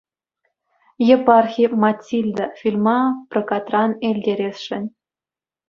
Епархи «Матильда» фильма прокартра илтересшӗн.